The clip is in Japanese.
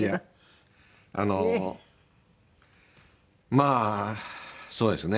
まあそうですね。